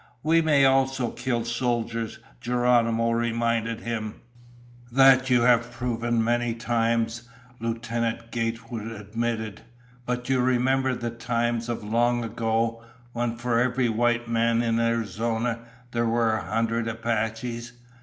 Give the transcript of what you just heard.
"We may also kill soldiers," Geronimo reminded him. "That you have proven many times," Lieutenant Gatewood admitted. "But you remember the times of long ago, when for every white man in Arizona there were a hundred Apaches.